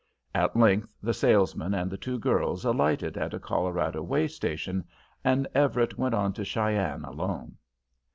At length the salesman and the two girls alighted at a Colorado way station, and Everett went on to Cheyenne alone.